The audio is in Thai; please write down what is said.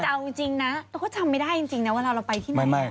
แต่เอาจริงนะเราก็จำไม่ได้จริงนะเวลาเราไปที่ไหน